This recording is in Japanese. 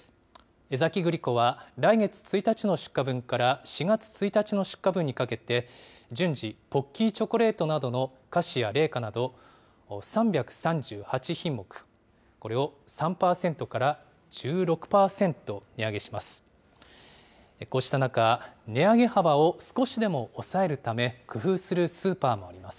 江崎グリコは、来月１日の出荷分から４月１日の出荷分にかけて、順次、ポッキーチョコレートなどの菓子や冷菓など３３８品目、これを３％から１６％値上げします。